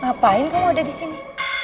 ngapain kamu udah disini